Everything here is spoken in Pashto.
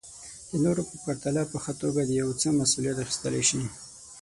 د نورو په پرتله په ښه توګه د يو څه مسوليت اخيستلی شي.